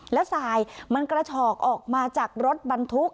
แล้วสายมันกระฉอกออกมาจากรถบรรทุก